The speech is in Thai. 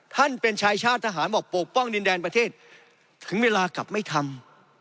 เป็นชายชาติทหารบอกปกป้องดินแดนประเทศถึงเวลากลับไม่ทำ